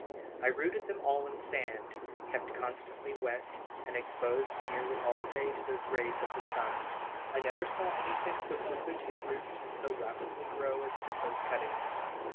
I rooted them all in sand, kept constantly wet, and exposed nearly all day to the rays of the sun. I never saw anything so quickly take root and so rapidly grow as did those cuttings.